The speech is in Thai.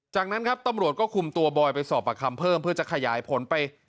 จากนั้นครับตำรวจก็คุมตัวบอยไปสอบประคำเพิ่มเพื่อจะขยายผลไป